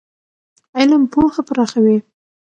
علم پوهه پراخوي.